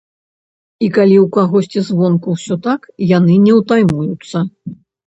І калі ў кагось звонку ўсё так, яны не утаймуюцца.